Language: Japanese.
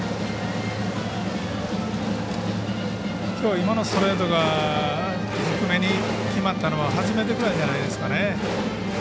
今のストレートが低めに決まったのは初めてぐらいじゃないですかね。